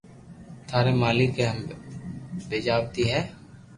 ٿاري مالڪ اي پڄيٽاوي ھو